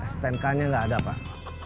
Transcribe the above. stnk nya nggak ada pak